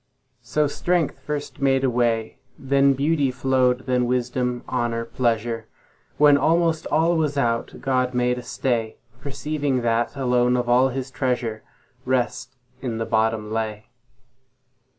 So strength first made a way, Then beauty flow'd, then wisdom, honour, pleasure; When almost all was out, God made a stay, Perceiving that, alone of all His treasure, Rest in the bottom lay.